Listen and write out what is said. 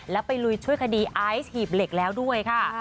แล้วไปลุยช่วยคดีไอซ์หีบเหล็กแล้วด้วยค่ะ